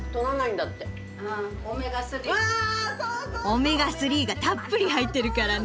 オメガ３がたっぷり入ってるからね。ね！